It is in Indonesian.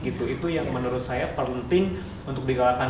itu yang menurut saya penting untuk dikeluarkan